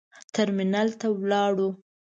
ترمینال ته ولاړو.